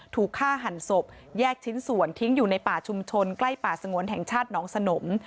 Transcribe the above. ถูกฆ่าหันศพแยกชิ้นส่วนทิ้งอยู่ในป่าชุมชนใกล้ป่าสงวนแห่งชาติหนองสนม